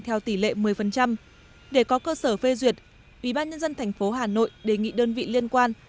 theo tỷ lệ một mươi để có cơ sở phê duyệt ubnd tp hà nội đề nghị đơn vị liên quan